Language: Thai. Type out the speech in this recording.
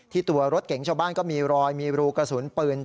ตัวรถเก๋งชาวบ้านก็มีรอยมีรูกระสุนปืน